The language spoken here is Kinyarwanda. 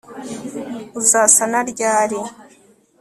uzasana ryari